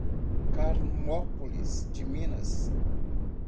Carmópolis de Minas